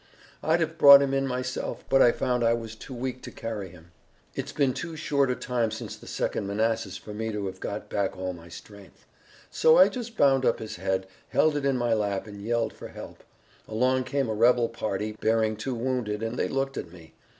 I'd have brought him in myself, but I found I was too weak to carry him. It's been too short a time since the Second Manassas for me to have got back all my strength. So I just bound up his head, held it in my lap, and yelled for help. Along came a rebel party, bearing two wounded, and they looked at me.